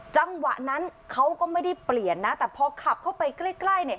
จังหวะนั้นเขาก็ไม่ได้เปลี่ยนนะแต่พอขับเข้าไปใกล้เนี่ย